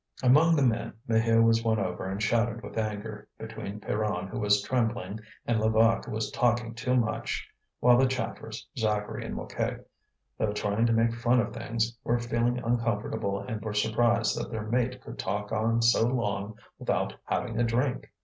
Among the men, Maheu was won over and shouted with anger, between Pierron who was trembling and Levaque who was talking too much; while the chaffers, Zacharie and Mouquet, though trying to make fun of things, were feeling uncomfortable and were surprised that their mate could talk on so long without having a drink.